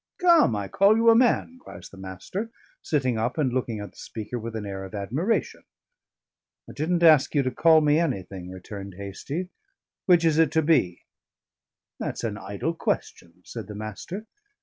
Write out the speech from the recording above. "Come, I call you a man," cries the Master, sitting up and looking at the speaker with an air of admiration. "I didn't ask you to call me anything," returned Hastie; "which is it to be?" "That's an idle question," said the Master.